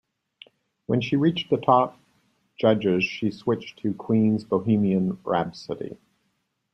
When she reached the top judges she switched to Queen's "Bohemian Rhapsody".